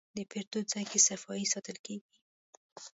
د پیرود ځای کې صفایي ساتل کېږي.